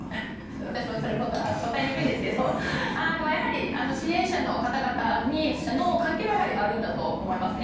私もそれは答えにくいんですけど支援者の方々の関係はあるんだと思いますね。